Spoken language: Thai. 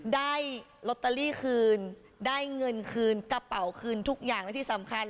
ได้ลอตเตอรี่คืนได้เงินคืนกระเป๋าคืนทุกอย่างและที่สำคัญ